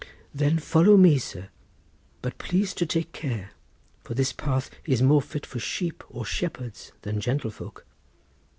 "Then follow me, sir; but please to take care, for this path is more fit for sheep or shepherds than gentlefolk."